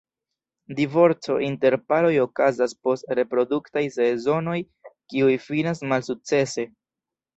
Divorco inter paroj okazas post reproduktaj sezonoj kiuj finas malsukcese.